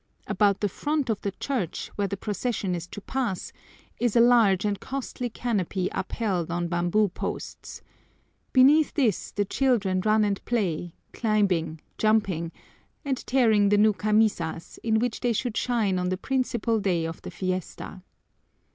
About the front of the church, where the procession is to pass, is a large and costly canopy upheld on bamboo posts. Beneath this the children run and play, climbing, jumping, and tearing the new camisas in which they should shine on the principal day of the fiesta.